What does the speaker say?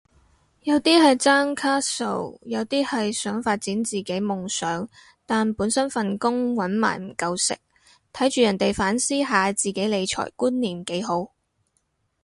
有啲係爭卡數，有啲係想發展自己夢想但本身份工搵埋唔夠食，睇住人哋反思下自己理財觀念幾好